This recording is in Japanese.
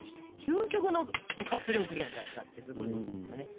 究極の活力源だったってすごい思ったね。